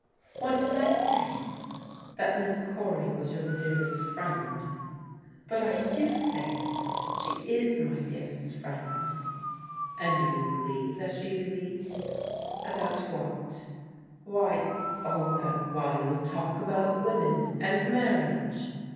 What did I say? " That Miss Cory was your dearest friend." *' But I do say it. She is my dearest friend." " And do you believe as she believes ?" "About what?" " Why, all that wild talk about women, and marriage."